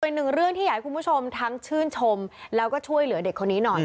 อีกหนึ่งเรื่องที่อยากให้คุณผู้ชมทั้งชื่นชมแล้วก็ช่วยเหลือเด็กคนนี้หน่อย